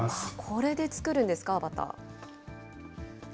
これで作るんですか、アバター。